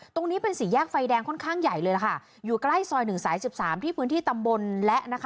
ตรงนี้เป็นสี่แยกไฟแดงค่อนข้างใหญ่เลยล่ะค่ะอยู่ใกล้ซอยหนึ่งสายสิบสามที่พื้นที่ตำบลและนะคะ